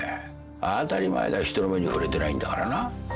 当たり前だ人の目に触れてないんだからな。